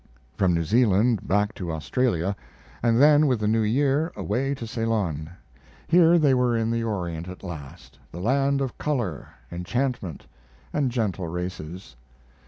From New Zealand back to Australia, and then with the new year away to Ceylon. Here they were in the Orient at last, the land of color, enchantment, and gentle races.